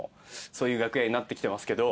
そういう楽屋になってきてますけど。